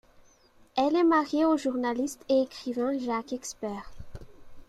Elle est mariée au journaliste et écrivain Jacques Expert.